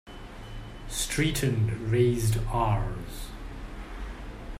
Streeton raised Rs.